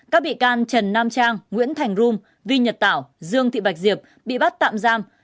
các bị can trần nam trang nguyễn thành rung vi nhật tảo dương thị bạch diệp bị bắt tạm giam